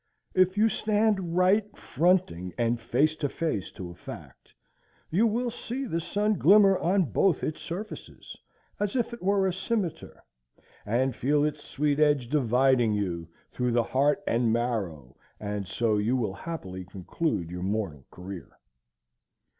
If you stand right fronting and face to face to a fact, you will see the sun glimmer on both its surfaces, as if it were a cimeter, and feel its sweet edge dividing you through the heart and marrow, and so you will happily conclude your mortal career.